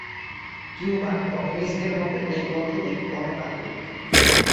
Cuban কমিউনিস্টদের মতে এই পদ্ধতি গণতান্ত্রিক।